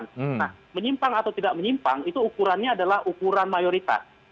nah menyimpang atau tidak menyimpang itu ukurannya adalah ukuran mayoritas